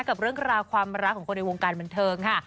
กับเรื่องราวความรักของคนในวงการบันเทิงค่ะ